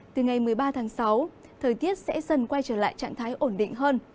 từ ngày một mươi ba tháng sáu thời tiết sẽ dần quay trở lại trạng thái ổn định hơn